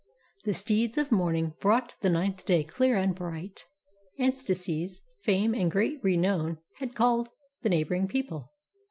The steeds Of morning brought the ninth day clear and bright. Acestes' fame and great renown had called The neighboring people.